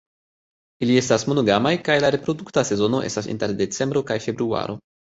Ili estas monogamaj kaj la reprodukta sezono estas inter decembro kaj februaro.